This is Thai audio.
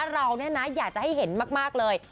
เราอยากจะให้เห็นมากเลย